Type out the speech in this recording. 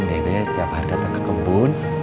nenek setiap hari datang ke kebun